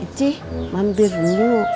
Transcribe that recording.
icih mampir dulu